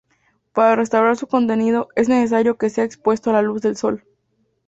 Para restaurar su contenido, es necesario que sea expuesto a la luz del sol.